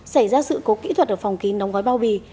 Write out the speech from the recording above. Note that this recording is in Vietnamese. xảy ra sự cố kỹ thuật ở phòng kín đóng gói bao bì